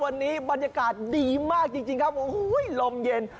วันนี้บรรยากาศดีมากจริงครับโอ้โหลมเย็น